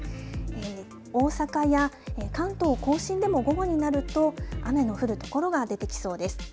大阪や関東甲信でも午後になると雨の降る所が出てきそうです。